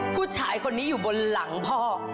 ผู้ชายคนนี้อยู่บนหลังพ่อ